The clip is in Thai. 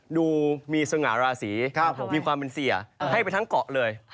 ดูมีศงราสีนะครับผมดูเป็นเสี่ยให้ไปทั้งเกาะเลย